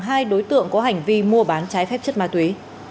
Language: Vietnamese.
hai đối tượng có hành vi mua bán trái phép chất ma túy